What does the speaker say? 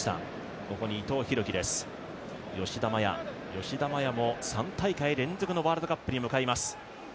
吉田麻也も３大会連続のワールドカップに向かいます。